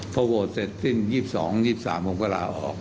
พอโหวตเสร็จสิ้น๒๒๒๓ผมก็ลาออก